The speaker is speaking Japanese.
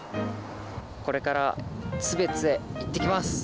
これから津別へ行ってきます！